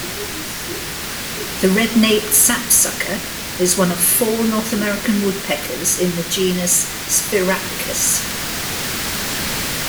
The red-naped sapsucker is one of four North American woodpeckers in the genus "Sphyrapicus".